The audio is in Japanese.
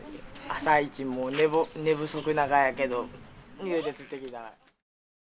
朝いちもうねぼ寝不足ながやけど言うて釣ってきた。